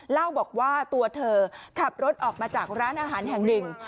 เล่าบอกว่าตัวเธอขับรถออกมาจากร้านอาหารแห่งหนึ่ง